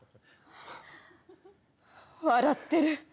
笑ってる。